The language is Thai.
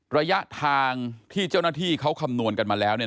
ระยะทางที่เจ้าหน้าที่เขาคำนวณกันมาแล้วเนี่ย